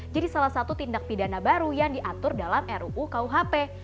jadi salah satu tindak pidana baru yang diatur dalam ruu kuhp